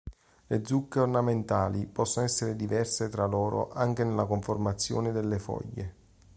Le zucche ornamentali possono essere diverse tra loro anche nella conformazione delle foglie.